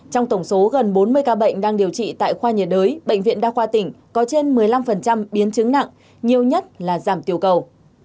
trong tổng số gần bốn mươi ca bệnh đang điều trị tại khoa nhiệt đới bệnh viện đa khoa tỉnh có trên một mươi năm biến chứng nặng nhiều nhất là giảm tiểu cầu